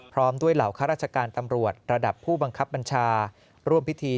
พร้อมด้วยเหล่าข้าราชการตำรวจระดับผู้บังคับบัญชาร่วมพิธี